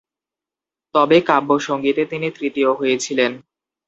তবে কাব্য সঙ্গীতে তিনি তৃতীয় হয়েছিলেন।